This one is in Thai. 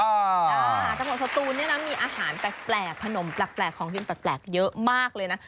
จังหวัดสตูนเนี่ยนะมีอาหารแปลกขนมแปลกของกินแปลกเยอะมากเลยนะ